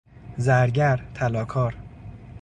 زرگر، طلا کار